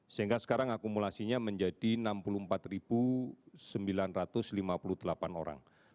sehingga sekarang akumulasinya menjadi enam puluh empat sembilan ratus lima puluh delapan orang